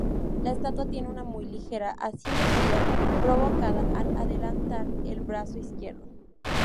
La estatua tiene una muy ligera asimetría provocada al adelantar el brazo izquierdo.